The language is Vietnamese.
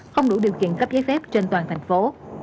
không đủ điều kiện cấp giấy phép trên toàn thành phố